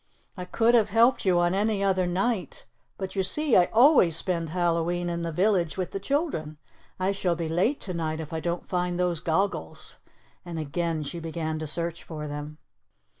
"I could have helped you on any other night, but you see I always spend Hallowe'en in the village with the children. I shall be late to night if I don't find those goggles." And again she began to search for them.